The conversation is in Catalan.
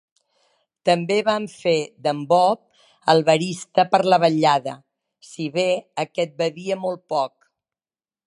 També van fer d'en Bob el barista per la vetllada, si bé aquest bevia molt poc.